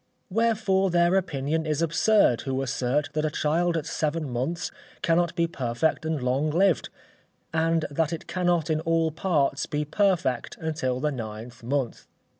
Wherefore their opinion is absurd, who assert that a child at seven months cannot be perfect and long lived; and that it cannot in all parts be perfect until the ninth month."